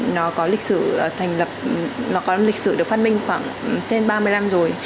nó có lịch sử được phát minh khoảng trên ba mươi năm rồi